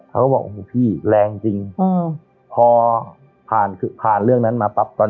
เขาก็บอกโอ้โหพี่แรงจริงพอผ่านผ่านเรื่องนั้นมาปั๊บตอน